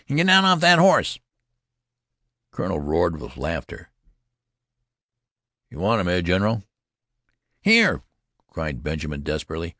"Get down off that horse!" The colonel roared with laughter. "You want him, eh, general?" "Here!" cried Benjamin desperately.